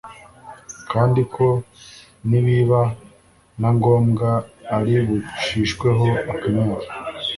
kandi ko nibiba na ngombwa aribucishweho akanyafu